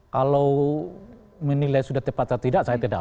kalau menilai sudah tepat atau tidak saya tidak